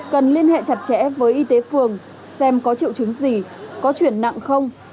cần liên hệ chặt chẽ với y tế phường xem có triệu chứng gì có chuyển nặng không